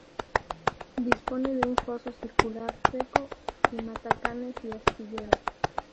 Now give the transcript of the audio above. Dispone de un foso circular seco y matacanes y aspilleras.